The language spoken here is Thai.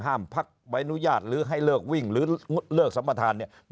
ห้ามพักไว้นุญาตหรือให้เลิกวิ่งหรือลดเลิกสัมปัติธรรม